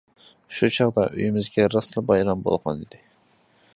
شۇ چاغدا ئۆيىمىزدە راستلا بايرام بولغانىدى.